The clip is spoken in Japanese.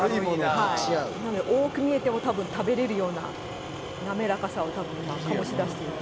なので、多く見えても食べられるような滑らかさを今、醸し出していると。